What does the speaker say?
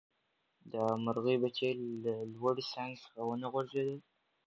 د مرغۍ بچي له لوړې څانګې څخه ونه غورځېدل.